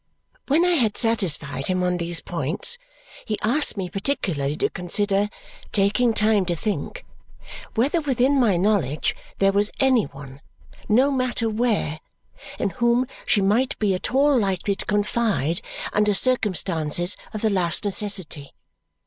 When I had satisfied him on these points, he asked me particularly to consider taking time to think whether within my knowledge there was any one, no matter where, in whom she might be at all likely to confide under circumstances of the last necessity.